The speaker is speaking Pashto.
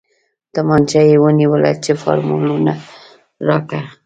تمانچه يې ونيوله چې فارموله راکه.